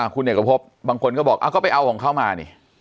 คุณเอกพบบางคนก็บอกก็ไปเอาของเขามานี่